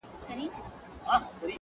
سبا چي راسي د سبــا له دره ولــوېږي؛